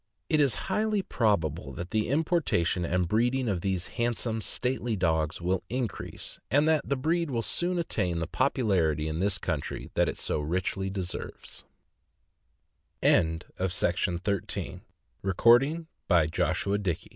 It is highly probable that the importation and breeding of these handsome, stately dogs will increase, and that the breed will soon attain the popularity in this country that it so richly deserves. THE BEAGLE HOUND. BY HERMAN F. SCHELLHASS (" Pious H.").